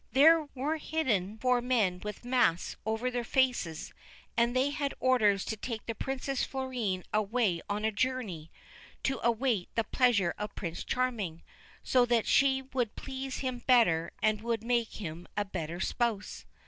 There were hidden four men with masks over their faces, and they had orders to take the Princess Florine away on a journey, to await the pleasure of Prince Charming, so that she would please him better and would make him a better spouse.